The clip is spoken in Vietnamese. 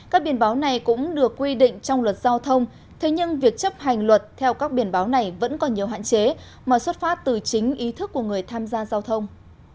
các biển báo này cũng được quy định trong luật giao thông thế nhưng việc chấp hành luật theo các biển báo này vẫn còn nhiều hạn chế mà xuất phát từ chính ý thức của người tham gia giao thông